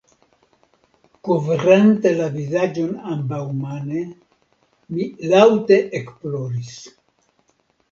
Kovrante la vizaĝon ambaŭmane, mi laŭte ekploris.